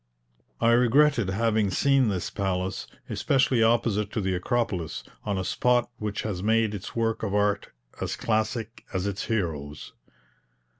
I regretted having seen this palace, especially opposite to the Acropolis, on a spot which has made its works of art as classic as its heroes.